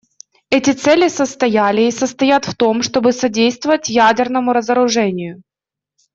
Эти цели состояли и состоят в том, чтобы содействовать ядерному разоружению.